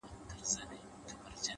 د سترگو هره ائينه کي مي ستا نوم ليکلی،